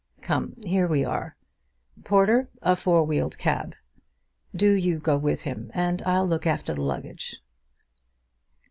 Come; here we are. Porter, a four wheeled cab. Do you go with him, and I'll look after the luggage."